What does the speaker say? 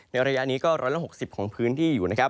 ในระยะนี้ก็ร้อนละ๖๐ของพื้นที่อยู่